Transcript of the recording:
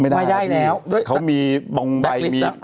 ด้วยเขามีบรรคลิสต์นะ